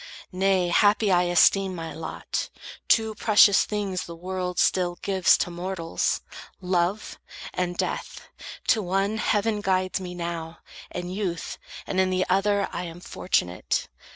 Nay, happy I esteem My lot. Two precious things the world still gives To mortals, Love and Death. To one, heaven guides Me now, in youth; and in the other, I Am fortunate.